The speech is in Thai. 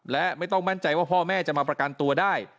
และไม่ต้องมั่นใจว่าพ่อแม่จะมาประกันตัวได้